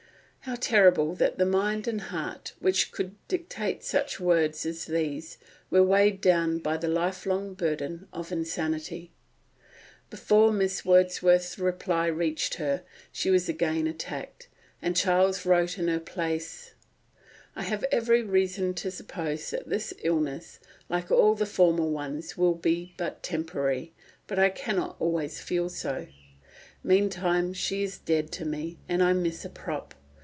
How terrible that the mind and heart which could dictate such words as these were weighed down by the lifelong burden of insanity! Before Miss Wordsworth's reply reached her, she was again attacked, and Charles wrote in her place: "I have every reason to suppose that this illness, like all the former ones, will be but temporary; but I cannot always feel so. Meantime she is dead to me, and I miss a prop.